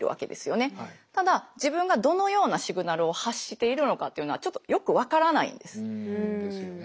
ただ自分がどのようなシグナルを発しているのかっていうのはちょっとよく分からないんです。ですよね。